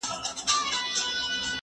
زه پرون مڼې وخوړلې!؟